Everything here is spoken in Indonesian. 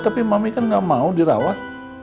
tapi mami kan gak mau dirawat